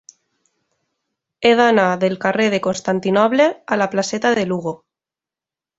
He d'anar del carrer de Constantinoble a la placeta de Lugo.